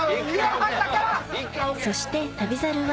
そして『旅猿』は